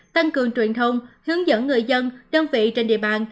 tăng cường truyền thông hướng dẫn người dân đơn vị trên địa bàn